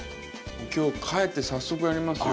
今日帰って早速やりますよ。